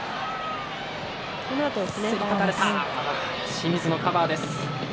清水のカバーです。